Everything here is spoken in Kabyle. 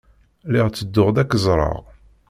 Lliɣ tedduɣ-d ad k-ẓreɣ.